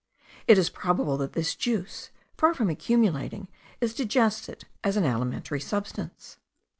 It is probable that this juice, far from accumulating, is digested as an alimentary substance.